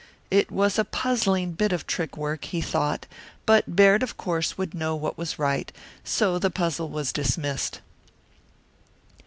It was a puzzling bit of trick work, he thought, but Baird of course would know what was right, so the puzzle was dismissed.